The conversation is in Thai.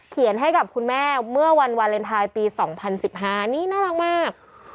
ให้กับคุณแม่เมื่อวันวาเลนไทยปี๒๐๑๕นี่น่ารักมาก